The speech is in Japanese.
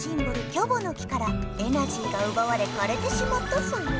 「キョボの木」からエナジーがうばわれかれてしまったソヨ。